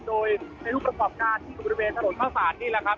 โดยในรูปประกอบการที่อยู่บริเวณถนนเข้าศาลนี่แหละครับ